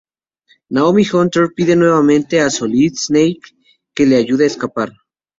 Naomi Hunter pide nuevamente a Solid Snake que le ayude a escapar.